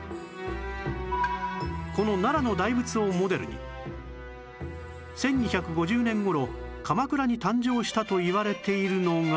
この奈良の大仏をモデルに１２５０年頃鎌倉に誕生したといわれているのが